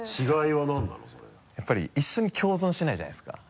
やっぱり一緒に共存してないじゃないですか。